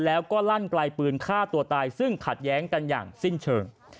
แล้วก็ลั่นไกลปืนฆ่าตัวตายซึ่งขัดแย้งกันอย่างสิ้นเชิง